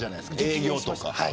営業とか。